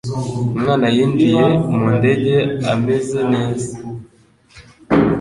Umwana yinjiye mu ndege ameze neza.